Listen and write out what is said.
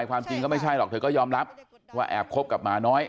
ความจริงก็ไม่ใช่หรอกเธอก็ยอมรับว่าแอบคบกับหมาน้อย